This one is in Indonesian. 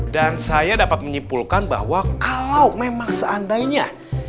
saya dapat menyimpulkan bahwa kalau memang seandainya